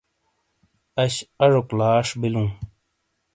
اش اژوک لاش بلوں۔